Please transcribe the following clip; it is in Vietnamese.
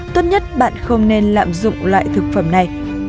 tốt nhất bạn không nên lạm dụng loại thực phẩm này